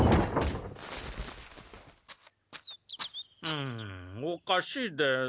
うんおかしいです。